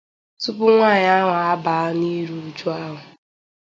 Tupu nwaanyị ahụ abàá n'iru uju ahụ